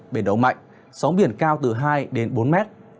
biển đầu mạnh sóng biển cao từ hai đến bốn mét